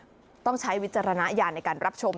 ไม่ต้องใช้วิจารณาอย่างในการรับชม